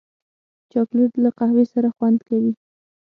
چاکلېټ له قهوې سره خوند کوي.